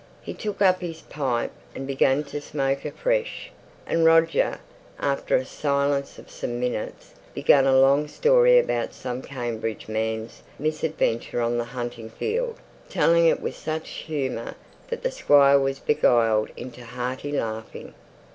He took up his pipe, and began to smoke afresh, and Roger, after a silence of some minutes, began a long story about some Cambridge man's misadventure on the hunting field, telling it with such humour that the Squire was beguiled into hearty laughing.